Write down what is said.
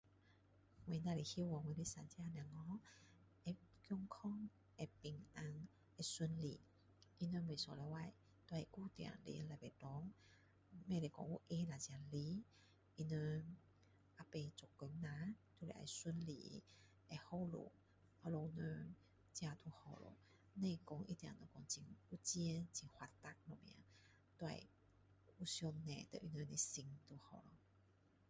我只是希望我的三个小孩会健康会平安会顺利他们每个星期都会固定的去礼拜堂不可以说有空了才来他们以后做工啦会孝顺老人这就好了不一定说要很有钱很发达那样只要有上帝的心就好了